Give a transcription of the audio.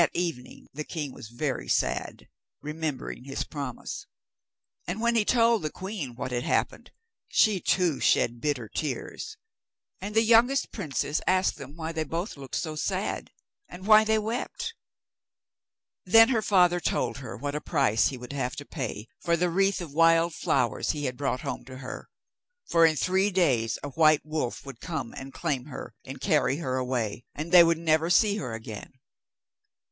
That evening the king was very sad, remembering his promise; and when he told the queen what had happened, she too shed bitter tears. And the youngest princess asked them why they both looked so sad, and why they wept. Then her father told her what a price he would have to pay for the wreath of wild flowers he had brought home to her, for in three days a white wolf would come and claim her and carry her away, and they would never see her again.